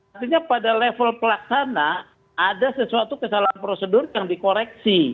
artinya pada level pelaksana ada sesuatu kesalahan prosedur yang dikoreksi